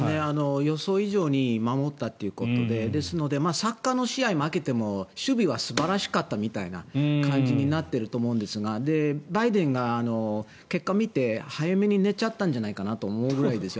予想以上に守ったということでですのでサッカーの試合に負けても守備は素晴らしかったみたいな感じになっているとおもうんですがバイデンが結果を見て早めに寝ちゃったんじゃないかと思うぐらいです